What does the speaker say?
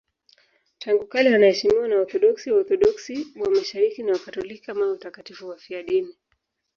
Tangu kale wanaheshimiwa na Waorthodoksi, Waorthodoksi wa Mashariki na Wakatoliki kama watakatifu wafiadini.